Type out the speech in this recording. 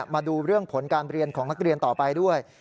มาดูเรื่องผลการเรียนของนักเรียนต่อไปด้วย